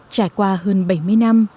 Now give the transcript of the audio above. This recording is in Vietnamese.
trải qua hơn bảy mươi năm